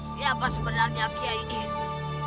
siapa sebenarnya kiai ini